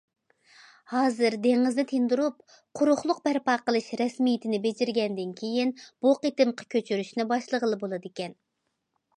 ھازىر دېڭىزنى تىندۇرۇپ قۇرۇقلۇق بەرپا قىلىش رەسمىيىتىنى بېجىرگەندىن كېيىن، بۇ قېتىمقى كۆچۈرۈشنى باشلىغىلى بولىدىكەن.